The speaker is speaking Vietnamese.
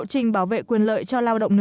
trình bảo vệ quyền lợi cho lao động nữ